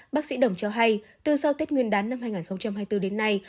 bác sĩ đồng cho hay từ sau tết nguyên đán năm hai nghìn hai mươi bốn đến nay